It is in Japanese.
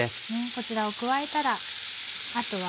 こちらを加えたらあとは。